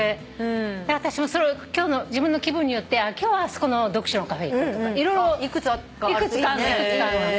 私も今日の自分の気分によって今日はあそこの読書のカフェ行こうとか色々いくつかあんの。